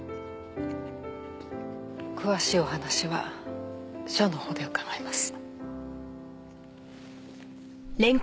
詳しいお話は署のほうで伺います。